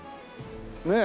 ねえ。